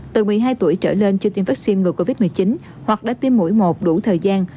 từ một mươi hai tuổi trở lên chưa tiêm vaccine ngừa covid một mươi chín hoặc đã tiêm mũi một đủ thời gian